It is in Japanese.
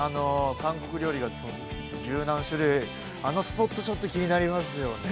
◆韓国料理があのスポット、ちょっと気になりますよね。